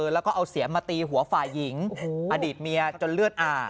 แล้วก็เอาเสียมมาตีหัวฝ่ายหญิงอดีตเมียจนเลือดอาบ